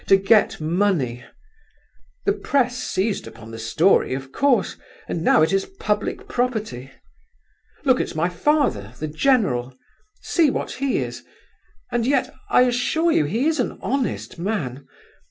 —to get money! The press seized upon the story, of course, and now it is public property. Look at my father, the general! See what he is, and yet, I assure you, he is an honest man!